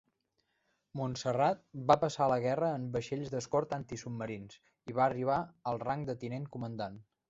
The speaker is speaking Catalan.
Monsarrat va passar la guerra en vaixells d'escorta antisubmarins, i va arribar al rang de Tinent Comandant.